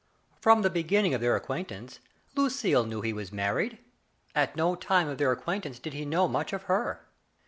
From the beginning of their acquaintance, Lucille knew he was married — at no time of their acquaintance did he know much of her.